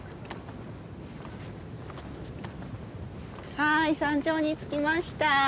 はい山頂に着きました。